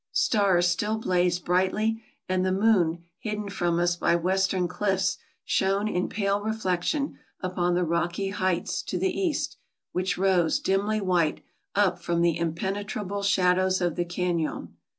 Stars still blazed brightly, and the moon, hidden from us by western cliffs, shone in pale reflection upon the rocky heights to the east, which rose, dimly white, up from the impenetrable shadows of the canon.